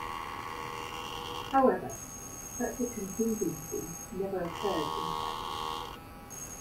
However, such a contingency never occurred in practice.